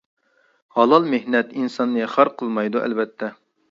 ھالال مېھنەت ئىنساننى خار قىلمايدۇ ئەلۋەتتە.